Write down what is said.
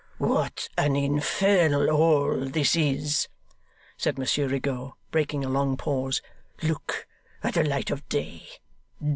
'What an infernal hole this is!' said Monsieur Rigaud, breaking a long pause. 'Look at the light of day.